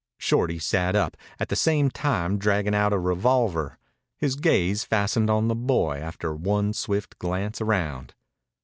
Shorty sat up, at the same time dragging out a revolver. His gaze fastened on the boy, after one swift glance round.